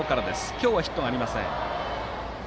今日はヒットがありません。